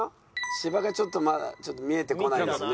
芝がちょっとまだ見えてこないですね。